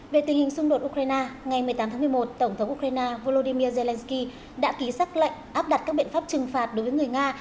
về tình hình xung đột ukraine ngày một mươi tám tháng một mươi một tổng thống ukraine volodymyr zelensky đã ký xác lệnh áp đặt các biện pháp trừng phạt đối với người nga